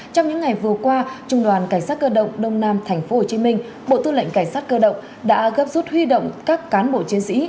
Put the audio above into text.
trong những ngày vừa qua trung đoàn cảnh sát cơ động đông nam tp hcm bộ tư lệnh cảnh sát cơ động đã gấp rút huy động các cán bộ chiến sĩ